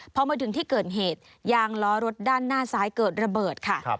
พอมาถึงที่เกิดเหตุยางล้อรถด้านหน้าซ้ายเกิดระเบิดค่ะ